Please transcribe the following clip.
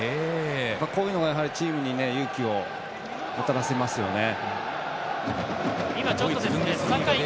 こういうのがチームに勇気をもたらしますね。